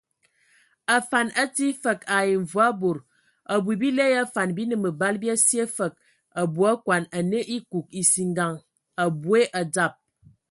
Afan atii fəg ai mvɔi bod, abui, bile ya afan bi nə məbala bia sye fəg abui akɔn anə ekug, esingan aboe adzab.